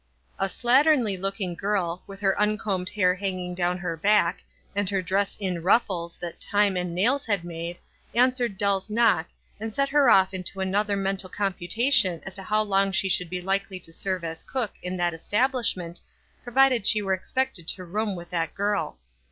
A slatternly looking girl, with her uncombed hair hanging down her back, and her dress in ruffles that time and nails had made, answered Dell's knock, and set her off into another mental computation as to how long she should be likely to serve as cook in that establishment, provided she were expected to room with that girl.